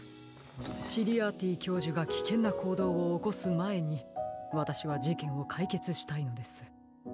シリアーティ教授がきけんなこうどうをおこすまえにわたしはじけんをかいけつしたいのです。